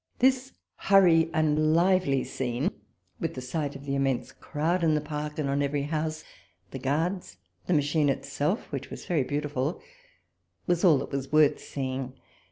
This hurry and lively scene, with the sight of the immense crowd in the Park and on every house, the guards, and the machine itself, which was very beautiful, was all that was worth seeing.